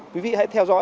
quý vị hãy theo dõi